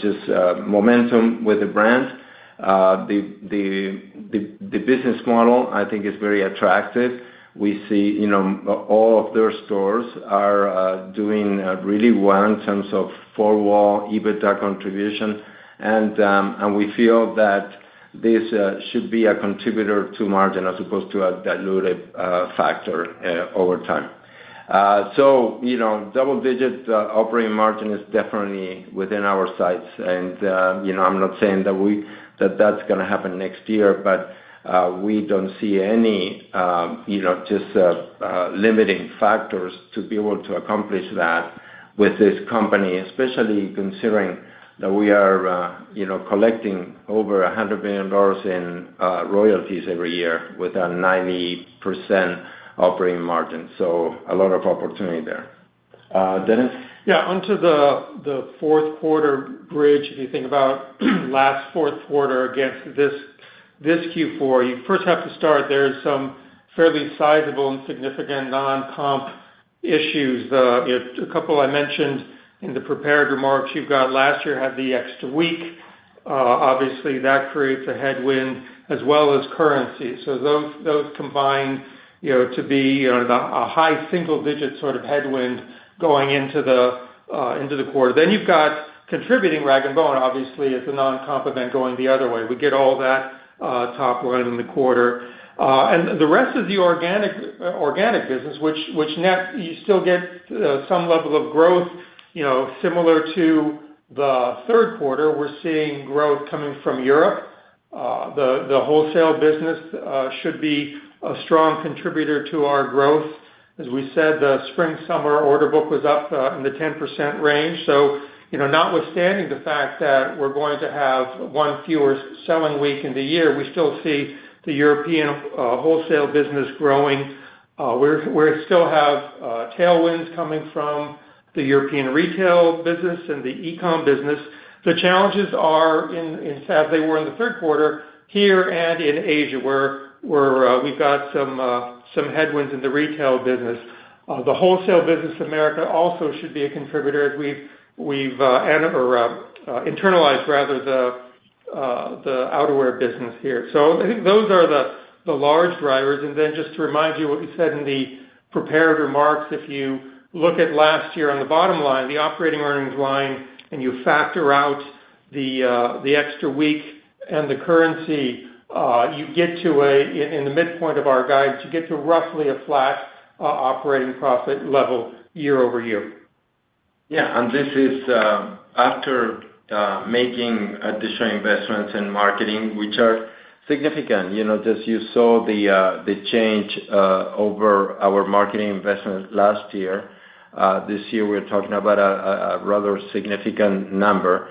just momentum with the brand. The business model, I think, is very attractive. We see all of their stores are doing really well in terms of four-wall EBITDA contribution. And we feel that this should be a contributor to margin as opposed to a dilutive factor over time. So double-digit operating margin is definitely within our sights. I'm not saying that that's going to happen next year, but we don't see any just limiting factors to be able to accomplish that with this company, especially considering that we are collecting over $100 million in royalties every year with a 90% operating margin. So a lot of opportunity there. Dennis? Yeah. Onto the fourth quarter bridge, if you think about last fourth quarter against this Q4, you first have to start. There's some fairly sizable and significant non-comparable issues. A couple I mentioned in the prepared remarks. You've got last year had the extra week. Obviously, that creates a headwind as well as currency. So those combined to be a high single-digit sort of headwind going into the quarter. Then you've got contributing rag & bone, obviously, as a non-comparable going the other way. We get all that top line in the quarter. The rest of the organic business, which net you still get some level of growth similar to the third quarter, we're seeing growth coming from Europe. The wholesale business should be a strong contributor to our growth. As we said, the spring-summer order book was up in the 10% range. Notwithstanding the fact that we're going to have one fewer selling week in the year, we still see the European wholesale business growing. We still have tailwinds coming from the European retail business and the e-comm business. The challenges are, as they were in the third quarter, here and in Asia, where we've got some headwinds in the retail business. The wholesale business in America also should be a contributor as we've internalized, rather, the outerwear business here. I think those are the large drivers. And then, just to remind you what we said in the prepared remarks, if you look at last year on the bottom line, the operating earnings line, and you factor out the extra week and the currency, you get to, in the midpoint of our guidance, you get to roughly a flat operating profit level year-over-year. Yeah. And this is after making additional investments in marketing, which are significant. Just, you saw the change over our marketing investments last year. This year, we're talking about a rather significant number.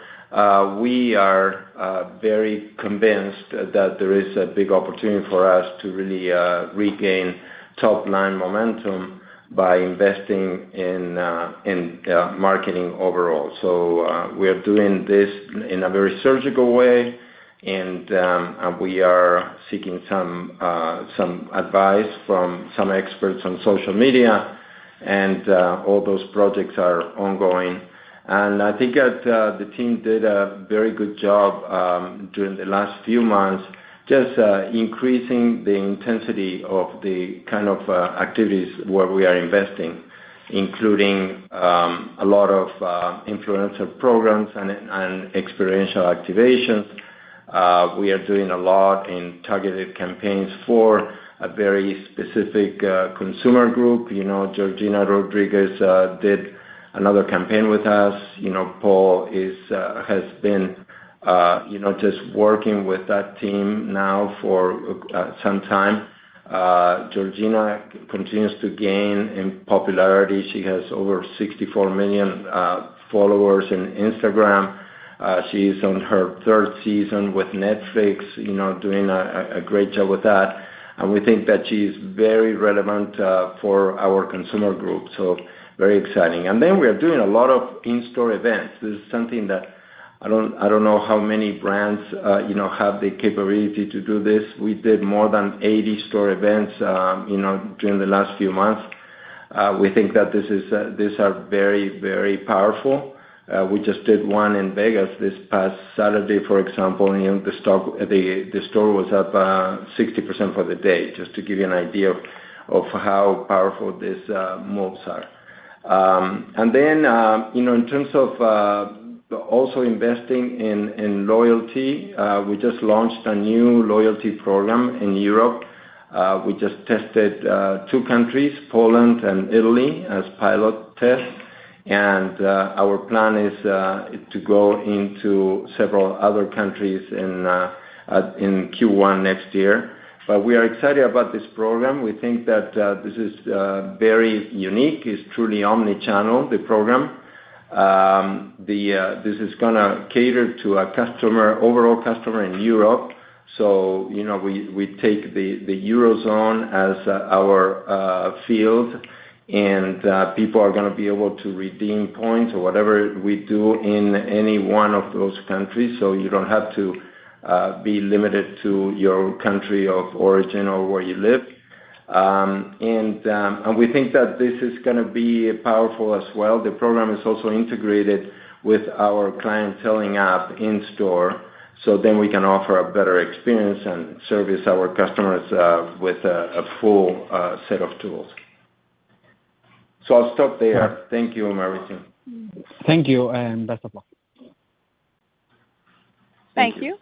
We are very convinced that there is a big opportunity for us to really regain top-line momentum by investing in marketing overall. So we are doing this in a very surgical way. And we are seeking some advice from some experts on social media. And all those projects are ongoing. I think that the team did a very good job during the last few months, just increasing the intensity of the kind of activities where we are investing, including a lot of influencer programs and experiential activations. We are doing a lot in targeted campaigns for a very specific consumer group. Georgina Rodríguez did another campaign with us. Paul has been just working with that team now for some time. Georgina continues to gain in popularity. She has over 64 million followers on Instagram. She is on her third season with Netflix, doing a great job with that. We think that she is very relevant for our consumer group. Very exciting. We are doing a lot of in-store events. This is something that I don't know how many brands have the capability to do this. We did more than 80 store events during the last few months. We think that these are very, very powerful. We just did one in Vegas this past Saturday, for example. The store was up 60% for the day, just to give you an idea of how powerful these moves are. And then in terms of also investing in loyalty, we just launched a new loyalty program in Europe. We just tested two countries, Poland and Italy, as pilot tests. And our plan is to go into several other countries in Q1 next year. But we are excited about this program. We think that this is very unique. It's truly omnichannel, the program. This is going to cater to an overall customer in Europe. So we take the Eurozone as our field. And people are going to be able to redeem points or whatever we do in any one of those countries. So you don't have to be limited to your country of origin or where you live. And we think that this is going to be powerful as well. The program is also integrated with our clienteling app in store. So then we can offer a better experience and service our customers with a full set of tools. So I'll stop there. Thank you, Mauricio. Thank you.nd best of luck. Thank you.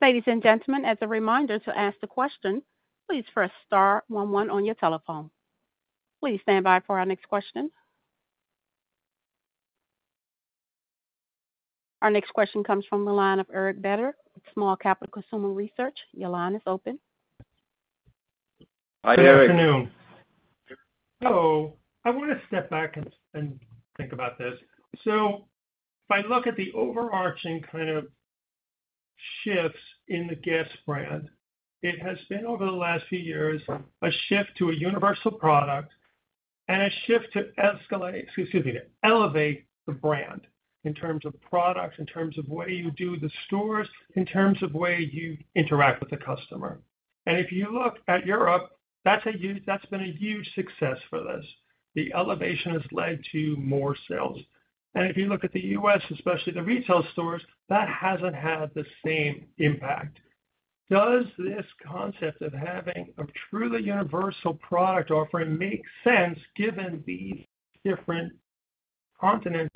Ladies and gentlemen, as a reminder to ask the question, please press star one one on your telephone. Please stand by for our next question. Our next question comes from the line of Eric Beder, Small Cap Consumer Research. Your line is open. Hi, Eric. Good afternoon. Hello. I want to step back and think about this. So if I look at the overarching kind of shifts in the GUESS? brand, it has been, over the last few years, a shift to a universal product and a shift to escalate, excuse me, to elevate the brand in terms of product, in terms of where you do the stores, in terms of where you interact with the customer. And if you look at Europe, that's been a huge success for this. The elevation has led to more sales. And if you look at the U.S., especially the retail stores, that hasn't had the same impact. Does this concept of having a truly universal product offering make sense given these different continents?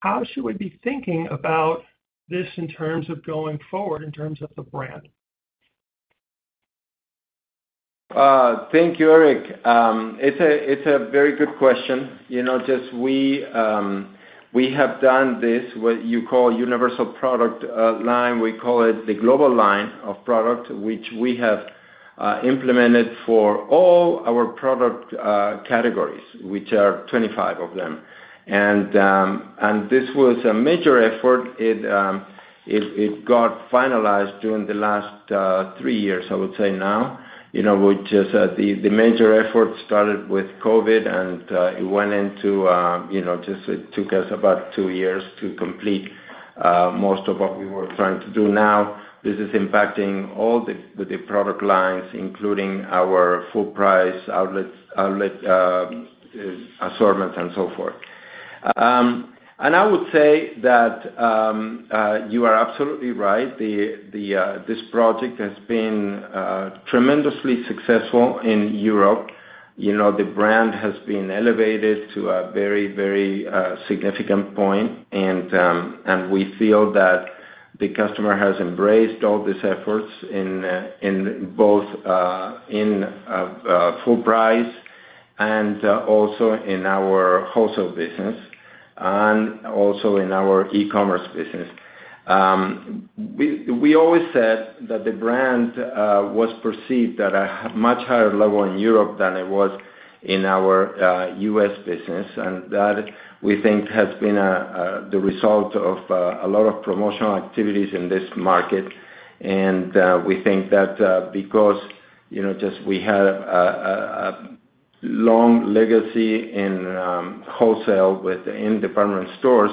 How should we be thinking about this in terms of going forward, in terms of the brand? Thank you, Eric. It's a very good question. Just we have done this, what you call universal product line. We call it the global line of product, which we have implemented for all our product categories, which are 25 of them, and this was a major effort. It got finalized during the last three years, I would say now, which is the major effort started with COVID, and it just took us about two years to complete most of what we were trying to do. Now, this is impacting all the product lines, including our full-price outlet assortments and so forth, and I would say that you are absolutely right. This project has been tremendously successful in Europe. The brand has been elevated to a very, very significant point, and we feel that the customer has embraced all these efforts in both full price and also in our wholesale business and also in our e-commerce business. We always said that the brand was perceived at a much higher level in Europe than it was in our U.S. business. And that, we think, has been the result of a lot of promotional activities in this market. And we think that because just we have a long legacy in wholesale within department stores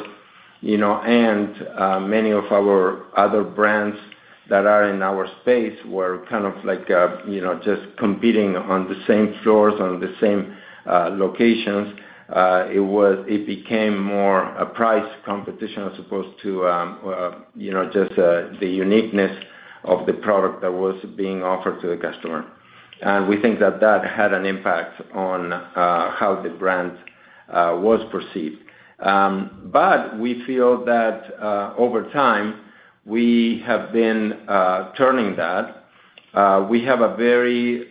and many of our other brands that are in our space were kind of like just competing on the same floors, on the same locations, it became more a price competition as opposed to just the uniqueness of the product that was being offered to the customer. And we think that that had an impact on how the brand was perceived. But we feel that over time, we have been turning that. We have a very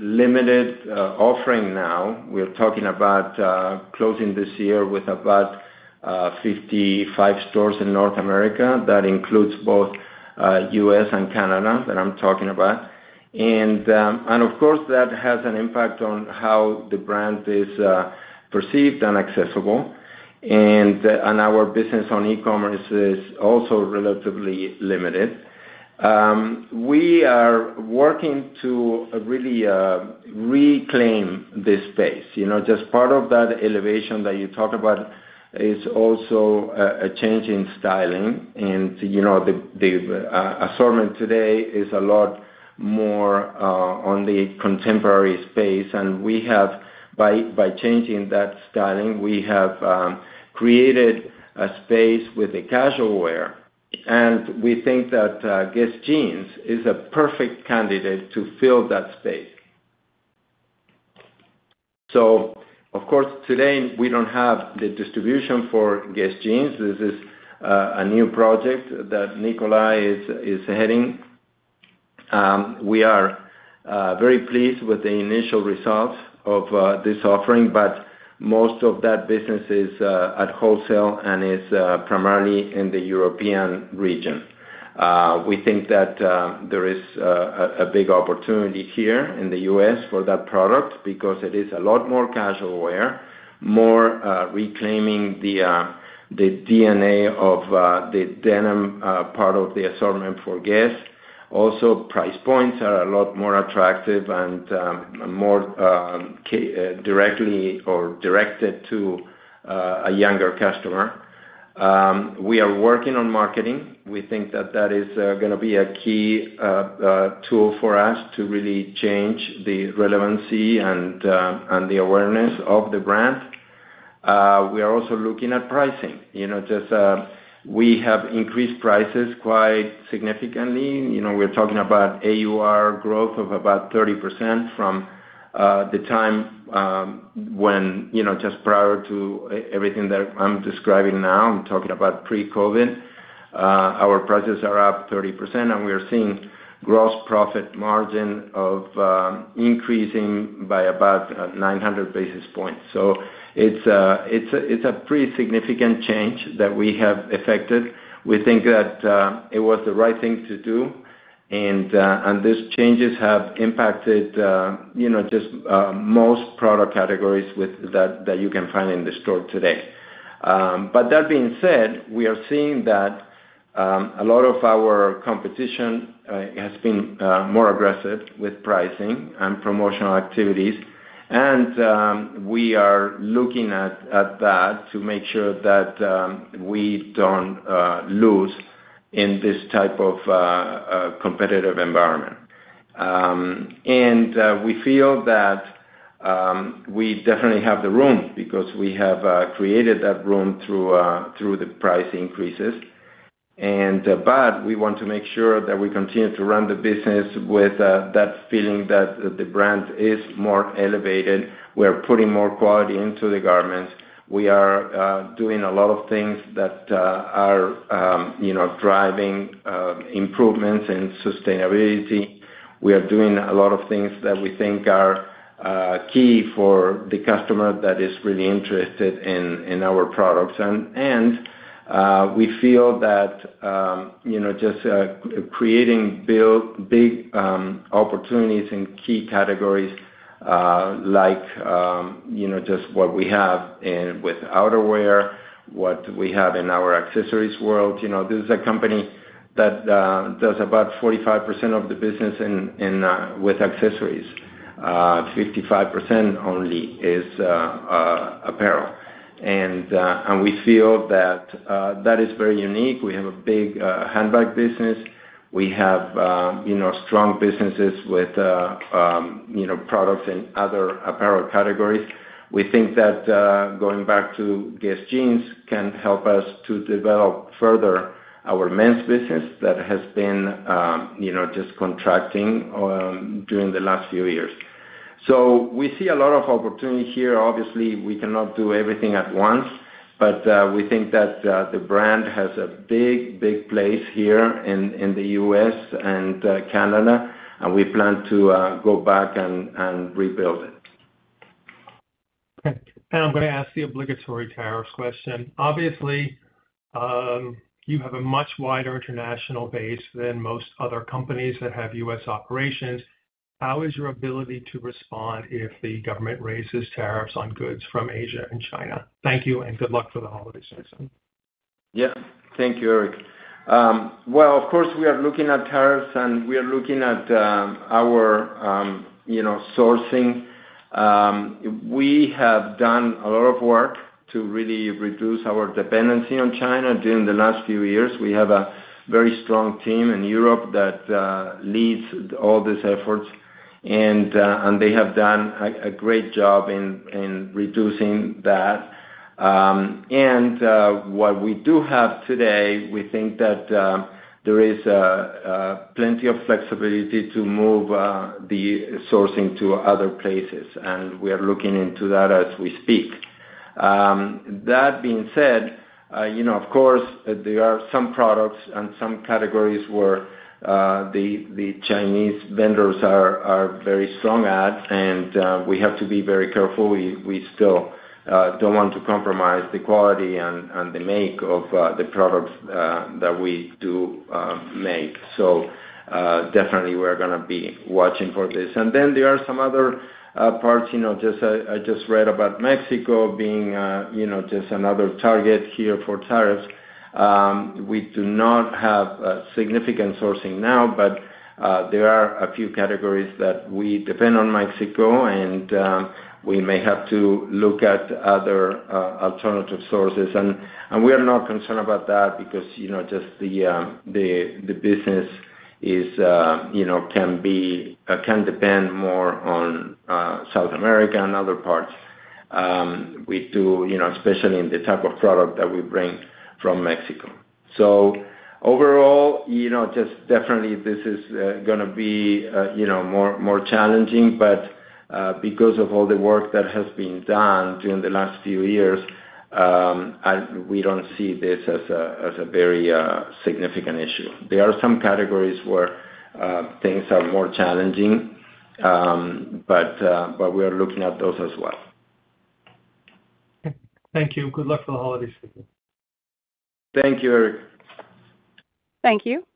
limited offering now. We're talking about closing this year with about 55 stores in North America. That includes both U.S. and Canada that I'm talking about, and of course, that has an impact on how the brand is perceived and accessible, and our business on e-commerce is also relatively limited. We are working to really reclaim this space. Just part of that elevation that you talk about is also a change in styling, and the assortment today is a lot more on the contemporary space, and by changing that styling, we have created a space with the casual wear, and we think GUESS Jeans is a perfect candidate to fill that space, so of course, today, we don't have the distribution GUESS Jeans. this is a new project that Nicolai is heading. We are very pleased with the initial results of this offering, but most of that business is at wholesale and is primarily in the European region. We think that there is a big opportunity here in the U.S. for that product because it is a lot more casual wear, more reclaiming the DNA of the denim part of the assortment for GUESS?. Also, price points are a lot more attractive and more directly or directed to a younger customer. We are working on marketing. We think that that is going to be a key tool for us to really change the relevancy and the awareness of the brand. We are also looking at pricing. Just we have increased prices quite significantly. We're talking about AUR growth of about 30% from the time when just prior to everything that I'm describing now. I'm talking about pre-COVID. Our prices are up 30%, and we are seeing gross profit margin increasing by about 900 basis points, so it's a pretty significant change that we have effected. We think that it was the right thing to do. And these changes have impacted just most product categories that you can find in the store today. But that being said, we are seeing that a lot of our competition has been more aggressive with pricing and promotional activities. And we are looking at that to make sure that we don't lose in this type of competitive environment. And we feel that we definitely have the room because we have created that room through the price increases. But we want to make sure that we continue to run the business with that feeling that the brand is more elevated. We are putting more quality into the garments. We are doing a lot of things that are driving improvements in sustainability. We are doing a lot of things that we think are key for the customer that is really interested in our products. And we feel that just creating big opportunities in key categories like just what we have with outerwear, what we have in our accessories world. This is a company that does about 45% of the business with accessories. 55% only is apparel. And we feel that that is very unique. We have a big handbag business. We have strong businesses with products in other apparel categories. We think that going back GUESS Jeans can help us to develop further our men's business that has been just contracting during the last few years. So we see a lot of opportunity here. Obviously, we cannot do everything at once. But we think that the brand has a big, big place here in the U.S. and Canada. And we plan to go back and rebuild it. Okay. And I'm going to ask the obligatory tariffs question. Obviously, you have a much wider international base than most other companies that have U.S. operations. How is your ability to respond if the government raises tariffs on goods from Asia and China? Thank you. And good luck for the holiday season. Yeah. Thank you, Eric. Well, of course, we are looking at tariffs. And we are looking at our sourcing. We have done a lot of work to really reduce our dependency on China during the last few years. We have a very strong team in Europe that leads all these efforts. And they have done a great job in reducing that. And what we do have today, we think that there is plenty of flexibility to move the sourcing to other places. And we are looking into that as we speak. That being said, of course, there are some products and some categories where the Chinese vendors are very strong at. And we have to be very careful. We still don't want to compromise the quality and the make of the products that we do make. So definitely, we're going to be watching for this. And then there are some other parts. I just read about Mexico being just another target here for tariffs. We do not have significant sourcing now. But there are a few categories that we depend on Mexico. And we may have to look at other alternative sources. And we are not concerned about that because just the business can depend more on South America and other parts, especially in the type of product that we bring from Mexico. So overall, just definitely, this is going to be more challenging. But because of all the work that has been done during the last few years, we don't see this as a very significant issue. There are some categories where things are more challenging. But we are looking at those as well. Okay. Thank you. Good luck for the holiday season. Thank you, Eric. Thank you.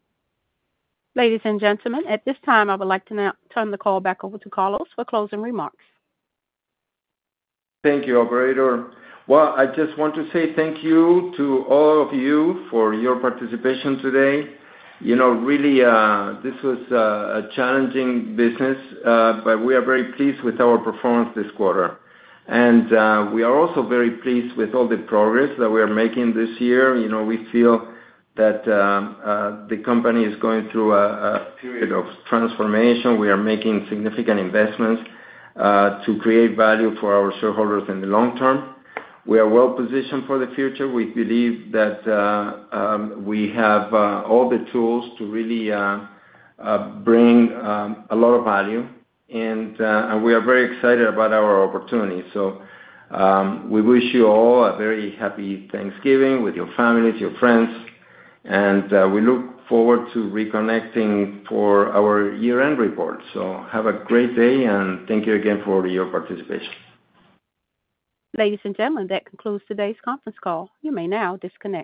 Ladies and gentlemen, at this time, I would like to turn the call back over to Carlos for closing remarks. Thank you, Operator. Well, I just want to say thank you to all of you for your participation today. Really, this was a challenging business. But we are very pleased with our performance this quarter. And we are also very please- with all the progress that we are making this year. We feel that the company is going through a period of transformation. We are making significant investments to create value for our shareholders in the long-term. We are well-positioned for the future. We believe that we have all the tools to really bring a lot of value. And we are very excited about our opportunity. So we wish you all a very happy Thanksgiving with your families, your friends. And we look forward to reconnecting for our year-end report. So have a great day. And thank you again for your participation. Ladies and gentlemen, that concludes today's conference call. You may now disconnect.